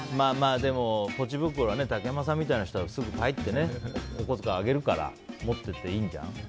でもポチ袋は竹山さんみたいな人はすぐはいってお小遣いあげるから持ってていいんじゃん？